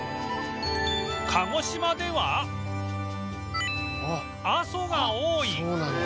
鹿児島では阿蘇が多い